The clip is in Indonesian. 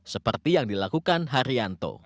seperti yang dilakukan haryanto